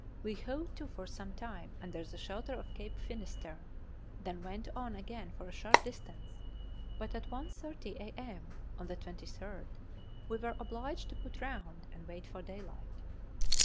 We hove to for some time under the shelter of Cape Finisterre, then went on again for a short distance; but at 1.30 a.m. on the 23rd we were obliged to put round and wait for daylight.